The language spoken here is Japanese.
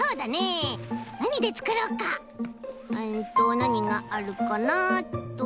うんとなにがあるかなっと。